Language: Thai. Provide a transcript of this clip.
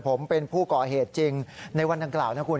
ผมเป็นผู้ก่อเหตุจริงในวันดังกล่าวนะคุณ